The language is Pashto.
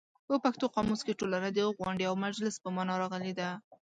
په پښتو قاموس کې ټولنه د غونډې او مجلس په مانا راغلې ده.